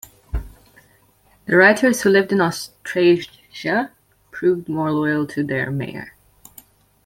The writers who lived in Austrasia proved more loyal to their mayor.